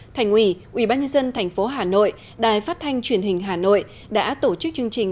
thành ủy ubnd tp hà nội đài phát thanh truyền hình hà nội đã tổ chức chương trình